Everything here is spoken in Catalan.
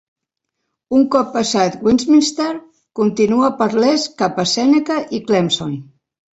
Un cop passat Westminster, continua per l'est cap a Sèneca i Clemson.